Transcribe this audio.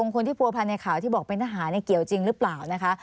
คนที่ผัวพันในข่าวที่บอกเป็นทหารเกี่ยวจริงหรือเปล่านะคะ